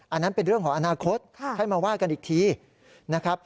อันนั้นเป็นเรื่องของอนาคตให้มาว่ากันอีกทีนะครับ